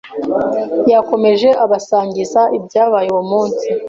Yakomeje abasangiza ibyabaye uwo munsi